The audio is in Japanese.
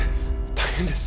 大変です！